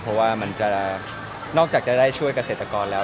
เพราะว่ามันจะนอกจากจะได้ช่วยเกษตรกรแล้ว